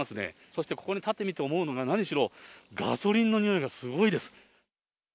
そしてここに立ってみて思うのが、何しろガソリンの臭いがすごいです。